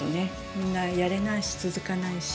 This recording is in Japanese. みんなやれないし続かないし。